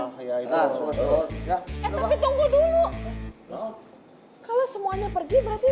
kalau semuanya pergi berarti